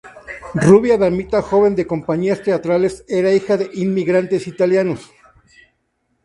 Rubia damita joven de compañías teatrales, era hija de inmigrantes italianos.